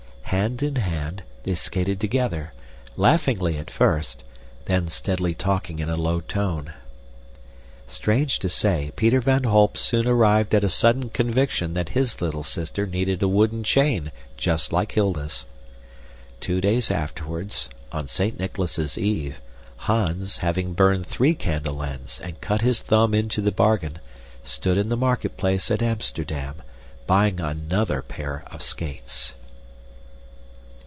Hand in hand, they skated together, laughingly at first, then staidly talking in a low tone. Strange to say, Peter van Holp soon arrived at a sudden conviction that his little sister needed a wooden chain just like Hilda's. Two days afterwards, on Saint Nicholas's Eve, Hans, having burned three candle ends and cut his thumb into the bargain, stood in the marketplace at Amsterdam, buying another pair of skates.